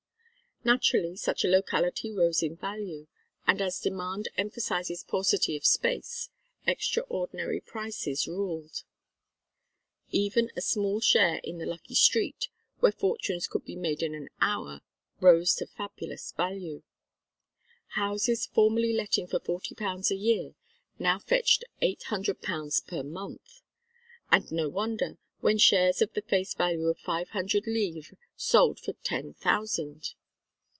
Naturally such a locality rose in value, and as demand emphasises paucity of space, extraordinary prices ruled. Even a small share in the lucky street, where fortunes could be made in an hour, rose to fabulous value. Houses formerly letting for forty pounds a year now fetched eight hundred pounds per month. And no wonder, when shares of the face value of five hundred livres sold for ten thousand!